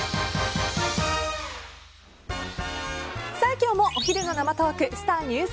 今日もお昼の生トークスター☆